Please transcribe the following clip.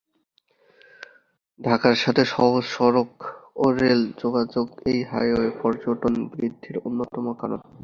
ঢাকার সাথে সহজ সড়ক ও রেল যোগাযোগ এই হাওরের পর্যটন বৃদ্ধির অন্যতম কারণ।